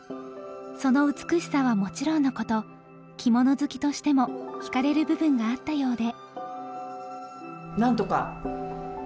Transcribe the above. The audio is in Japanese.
その美しさはもちろんのこと着物好きとしても引かれる部分があったようで。